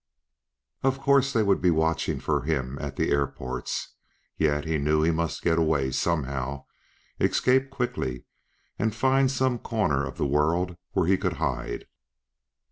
Of course they would be watching for him at the airports, yet he knew he must get away somehow; escape quickly and find some corner of the world where he could hide.